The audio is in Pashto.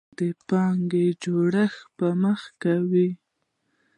دا د پانګې جوړښت په موخه کوي.